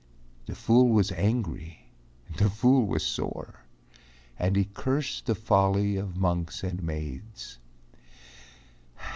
The fool was angry, the fool was sore, And he cursed the folly of monks and maids.